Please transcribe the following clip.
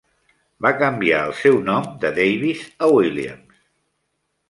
Va canviar el seu nom de Davis a Williams.